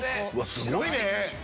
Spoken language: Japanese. すごいね！